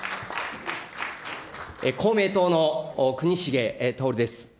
公明党の國重徹です。